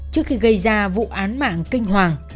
trước khi gây ra vụ án mạng kinh hoàng